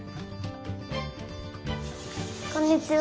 こんにちは。